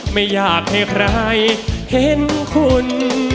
ไม่อยากให้ใครเห็นคุณ